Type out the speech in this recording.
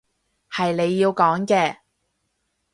係你要講嘅